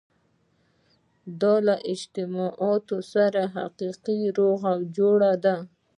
دا له جماعتونو سره حقیقي روغې جوړې ده.